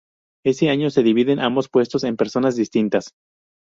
Ese año se dividen ambos puestos en personas distintas.